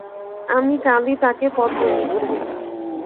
আমি কালই তাঁকে পত্র লিখছি।